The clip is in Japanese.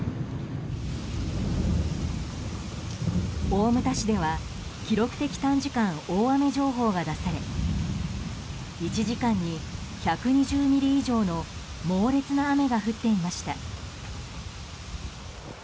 大牟田市では記録的短時間大雨情報が出され１時間に１２０ミリ以上の猛烈な雨が降っていました。